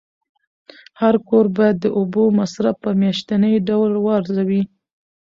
هر کور باید د اوبو مصرف په میاشتني ډول وارزوي.